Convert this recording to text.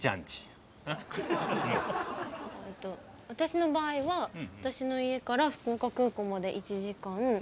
私の場合は私の家から福岡空港まで１時間。